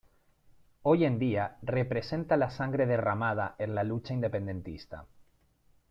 Hoy en día, representa la sangre derramada en la lucha independentista.